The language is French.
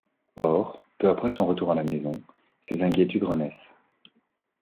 Or, peu après son retour à la maison, ses inquiétudes renaissent.